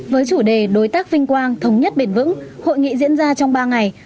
với chủ đề đối tác vinh quang thống nhất bền vững hội nghị diễn ra trong ba ngày